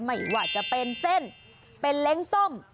ไม่ว่าจะเป็นเส้นเป็นเล้งต้ม